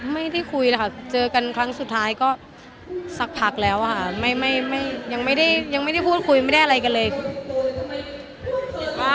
ไม่ได้คุยนะคะเจอกันครั้งสุดท้ายก็สักพักแล้วค่ะยังไม่ได้ยังไม่ได้พูดคุยไม่ได้อะไรกันเลย